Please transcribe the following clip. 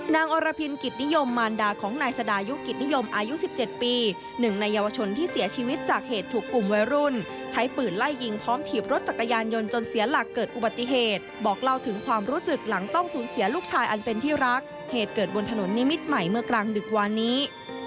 อรพินกิจนิยมมารดาของนายสดายุกิจนิยมอายุ๑๗ปีหนึ่งในเยาวชนที่เสียชีวิตจากเหตุถูกกลุ่มวัยรุ่นใช้ปืนไล่ยิงพร้อมถีบรถจักรยานยนต์จนเสียหลักเกิดอุบัติเหตุบอกเล่าถึงความรู้สึกหลังต้องสูญเสียลูกชายอันเป็นที่รักเหตุเกิดบนถนนนิมิตรใหม่เมื่อกลางดึกวานนี้